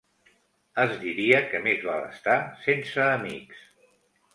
Es diria que més val estar sense amics.